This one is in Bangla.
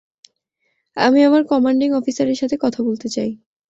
আমি আমার কমান্ডিং অফিসারের সাথে কথা বলতে চাই।